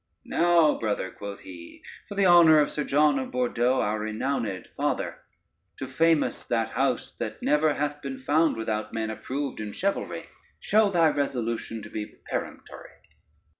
"Now, brother," quoth he, "for the honor of Sir John of Bordeaux, our renowmed father, to famous that house that never hath been found without men approved in chivalry, show thy resolution to be peremptory.